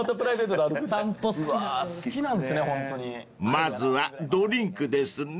［まずはドリンクですね］